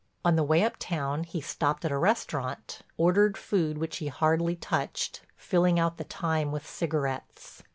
On the way uptown he stopped at a restaurant, ordered food which he hardly touched, filling out the time with cigarettes.